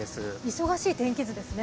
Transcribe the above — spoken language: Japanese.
忙しい天気図ですね。